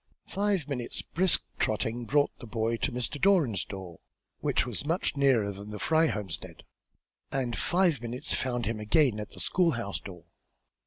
Five minutes' brisk trotting brought the boy to Mr. Doran's door, which was much nearer than the Fry homestead, and less than five minutes found him again at the school house door.